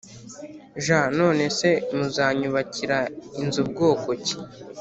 j None se muzanyubakira inzu bwoko ki